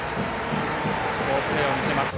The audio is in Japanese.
好プレーを見せます。